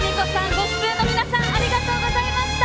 ご出演の皆さんありがとうございました。